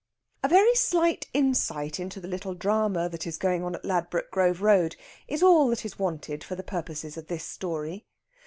A very slight insight into the little drama that is going on at Ladbroke Grove Road is all that is wanted for the purposes of this story.